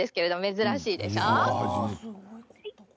珍しいでしょう？